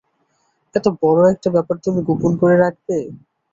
এত বড় একটা ব্যাপার তুমি গোপন করে রাখবে?